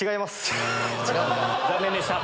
残念でした。